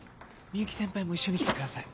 美雪先輩も一緒に来てください。